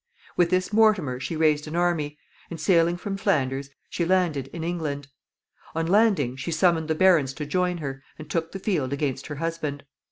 With this Mortimer she raised an army, and, sailing from Flanders, she landed in England. On landing, she summoned the barons to join her, and took the field against her husband.